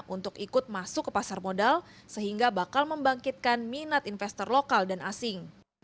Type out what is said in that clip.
untuk ikut masuk ke pasar modal sehingga bakal membangkitkan minat investor lokal dan asing